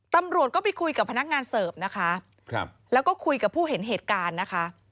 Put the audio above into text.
ตำรวจก็ไปคุยกับพนักงานเสิร์ฟนะคะครับแล้วก็คุยกับผู้เห็นเหตุการณ์นะคะ